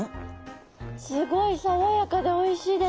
すごい爽やかでおいしいです。